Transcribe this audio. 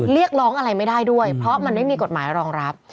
เรียกร้องอะไรไม่ได้ด้วยเพราะมันไม่มีกฎหมายรองรับ